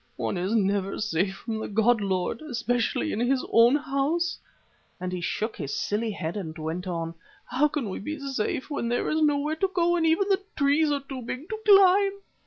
"One is never safe from the god, lord, especially in his own House," and he shook his silly head and went on, "How can we be safe when there is nowhere to go and even the trees are too big to climb?"